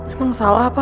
emang salah apa